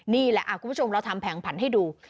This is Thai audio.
นี่แหละคุณผู้ชมเราทำแผงผันให้ดู